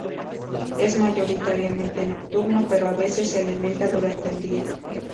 Es mayoritariamente nocturno, pero a veces se alimenta durante el día.